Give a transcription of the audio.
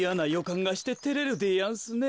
かんがしててれるでやんすねえ。